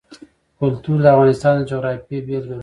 کلتور د افغانستان د جغرافیې بېلګه ده.